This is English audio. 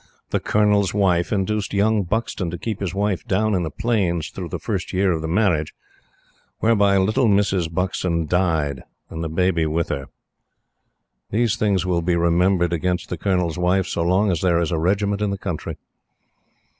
The Colonel's Wife induced young Buxton to keep his wife down in the Plains through the first year of the marriage. Whereby little Mrs. Buxton died, and the baby with her. These things will be remembered against the Colonel's Wife so long as there is a regiment in the country.